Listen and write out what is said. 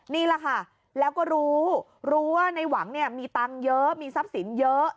นี่แหละค่ะแล้วก็รู้รู้ว่าในหวังเนี่ยมีตังค์เยอะมีทรัพย์สินเยอะ